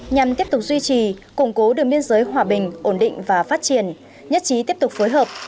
nhằm tiếp tục duy trì củng cố đường biên giới hòa bình ổn định và phát triển nhất trí tiếp tục phối hợp